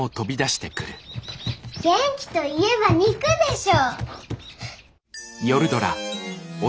元気といえば肉でしょ！